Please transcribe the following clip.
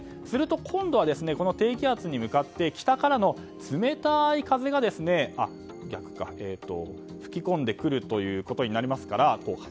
すると今度は、低気圧に向かって北からの冷たい風が吹き込んでくることになります。